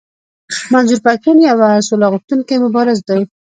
منظور پښتون يو سوله غوښتونکی مبارز دی.